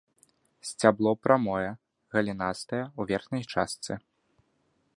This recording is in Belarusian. Сцябло прамое, галінастае ў верхняй частцы.